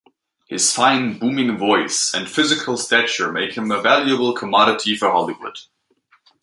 His fine, booming voice and physical stature make him a valuable commodity for Hollywood.